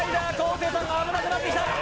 生さんが危なくなってきた。